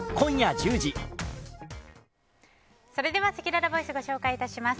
それではせきららボイスをご紹介します。